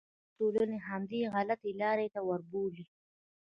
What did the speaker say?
اسلامي ټولنې همدې غلطې لارې ته وربولي.